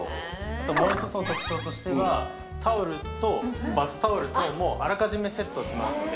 あともう一つの特徴としてはタオルとバスタオルともうあらかじめセットしますので。